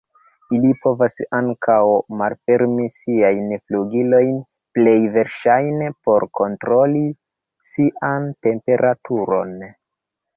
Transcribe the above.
Ili povas ankaŭ malfermi siajn flugilojn, plej verŝajne por kontroli sian temperaturon.